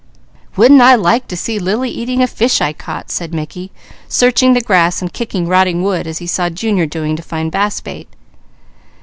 "Wouldn't I like to see Lily eating a fish I caught," said Mickey, searching the grass and kicking rotting wood as he saw Junior doing to find bass bait.